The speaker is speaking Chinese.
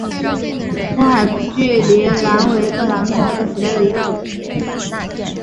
勐海隔距兰为兰科隔距兰属下的一个种。